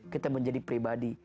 kita menjadi pribadi